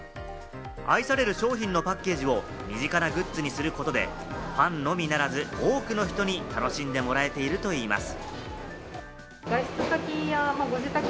愛される商品のパッケージを身近なグッズにすることでファンのみならず多くの人に楽しんでもらえているといいます。